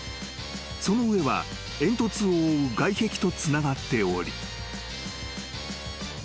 ［その上は煙突を覆う外壁とつながっており］